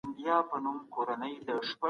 دې مقام ته رسېدل اسانه نه دي.